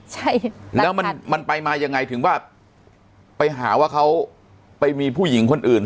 ใช่แล้วมันไปมายังไงถึงว่าไปหาว่าเขาไปมีผู้หญิงคนอื่น